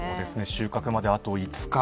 収穫まであと５日